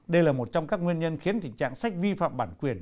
đây là một trong các nguyên nhân khiến tình trạng sách vi phạm bản quyền